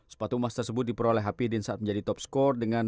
sepatu emas tersebut diperoleh hapidin saat menjadi top skor